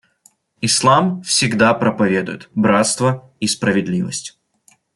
Ислам всегда проповедует братство и справедливость.